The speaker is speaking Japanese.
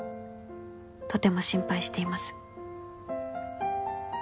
「とても心配しています」